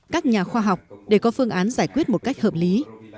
các nhà khoa học để có phương án giải quyết một cách hợp lý